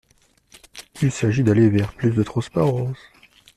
Il s’agit d’aller vers plus de transparence.